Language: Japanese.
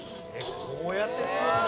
こうやって作るんだ。